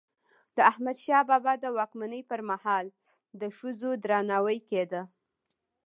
د احمدشاه بابا د واکمني پر مهال د ښځو درناوی کيده.